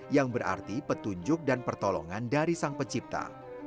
yang berarti petunjuk dan pertolongan dari sang pencipta